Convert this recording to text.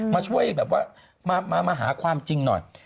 มาช่วยแบบว่ามาหาความจริงหน่อย